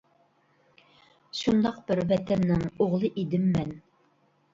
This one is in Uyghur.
شۇنداق بىر ۋەتەننىڭ ئوغلى ئىدىم مەن.